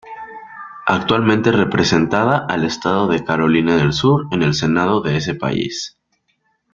Actualmente representada al estado de Carolina del Sur en el Senado de ese país.